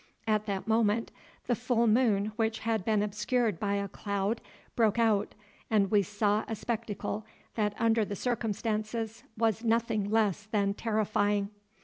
At that moment the full moon, which had been obscured by a cloud, broke out, and we saw a spectacle that under the circumstances was nothing less than terrifying.